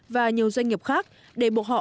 và nhiều doanh nghiệp khác để bộ họ